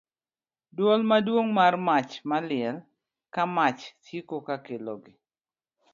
Dwol maduong' mar mach maliel ka mach siko ka kelogi.